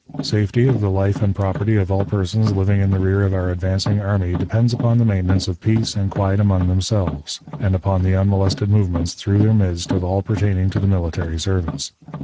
Safety of the life and property of all persons living in the rear of our advancing army depends upon the maintenance of peace and quiet among themselves, and upon the unmolested movements through their midst of all pertaining to the military service.